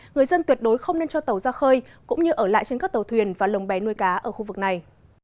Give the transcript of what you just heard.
người dân tuyệt đối không nên cho tàu ra khơi cũng như ở lại trên các tàu thuyền và lồng bè nuôi cá ở khu vực này